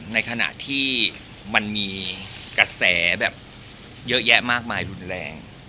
ในขณะที่มันมีกระแสแบบเยอะแยะมากมายรุนแรง